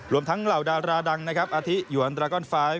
รวมทั้งเหล่าดาราดังอธิหยวนดรากอน๕